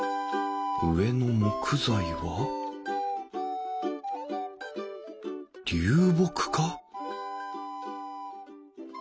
上の木材は流木か？